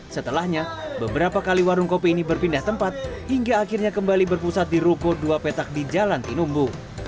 setelahnya beberapa kali warung kopi ini berpindah tempat hingga akhirnya kembali berpusat di ruko dua petak di jalan tinumbu